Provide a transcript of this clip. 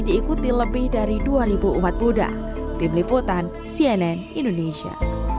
diikuti lebih dari dua ribu umat buddha tim liputan cnn indonesia